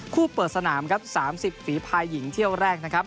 คู่เปิดสนาม๓๐ฝีภายหญิงเที่ยวแรก